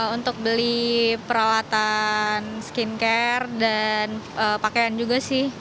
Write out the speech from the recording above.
untuk beli peralatan skincare dan pakaian juga sih